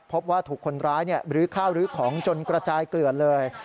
พบว่าถูกคนร้ายรื้อข้าวลื้อของจนกระจายเกลือนเลย